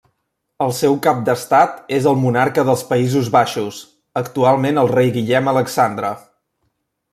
El seu cap d'estat és el Monarca dels Països Baixos, actualment el Rei Guillem Alexandre.